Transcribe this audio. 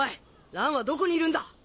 蘭はどこにいるんだ？